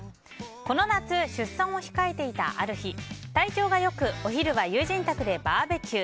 この夏、出産を控えていたある日体調が良くお昼は友人宅でバーベキュー。